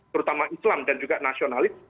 terutama islam dan juga nasionalis